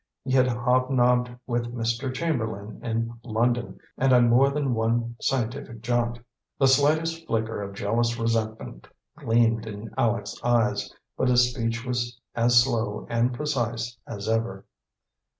He had hob nobbed with Mr. Chamberlain in London and on more than one scientific jaunt. The slightest flicker of jealous resentment gleamed in Aleck's eyes, but his speech was as slow and precise as ever.